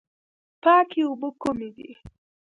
پاکې اوبه کومې دي؟